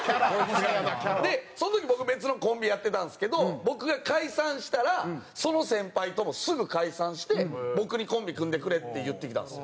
でその時僕別のコンビやってたんですけど僕が解散したらその先輩ともすぐ解散して僕に「コンビ組んでくれ」って言ってきたんですよ。